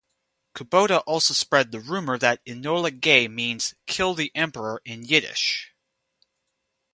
Kubota also spread the rumor that "Enola Gay" means "Kill the Emperor" in Yiddish.